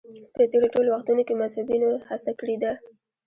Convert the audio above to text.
په تېرو ټولو وختونو کې مذهبيونو هڅه کړې ده.